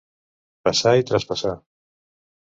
Passar i traspassar.